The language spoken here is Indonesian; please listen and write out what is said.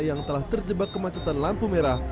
yang telah terjebak kemacetan lampu merah